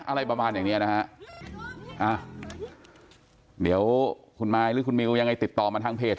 อะไรประมาณอย่างเนี้ยนะฮะเดี๋ยวคุณมายหรือคุณมิวยังไงติดต่อมาทางเพจ